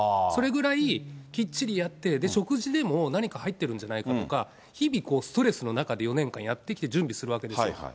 それぐらいきっちりやって、食事でも何か入ってるんじゃないかとか、日々こう、ストレスの中で４年間やってきて、準備するわけですよ。